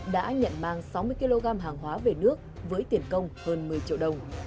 đã nhận mang sáu mươi kg hàng hóa về nước với tiền công hơn một mươi triệu đồng